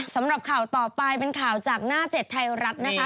สำหรับข่าวต่อไปเป็นข่าวจากหน้าเจ็ดไทยรัฐนะคะ